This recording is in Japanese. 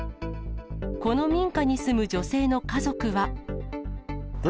この民家に住む女性の家族は。